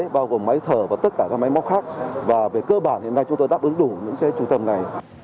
bao gồm máy thở và tất cả các máy móc khác và về cơ bản hiện nay chúng tôi đáp ứng đủ những trung tâm này